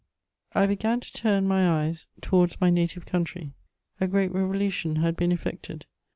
I BEGAN to turn my eyes towards my native coimtiy. A great revolution had been effected.